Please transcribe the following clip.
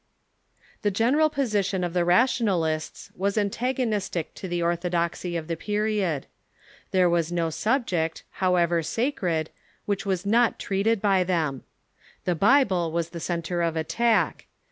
The general position of the rationalists was antagonistic to the orthodoxy of the period. There was no subject, however _, sacred, which was not treated by them. The Bible General '•' Position of was the centre of attack.